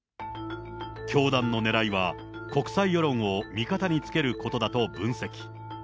教団のねらいは、国際世論を味方につけることだと分析。